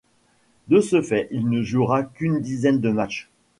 De ce fait il ne jouera qu'une dizaine de matchs.